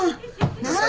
何。